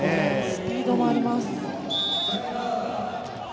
スピードもあります。